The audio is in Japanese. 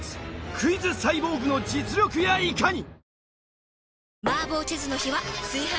クイズサイボーグの実力やいかに！？